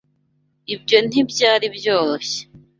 Ibyo ntibyari byoroshye.